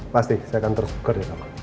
pasti saya akan terus bergerak sama